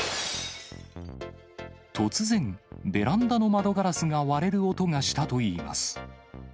突然、ベランダの窓ガラスが割れる音がしたといいます。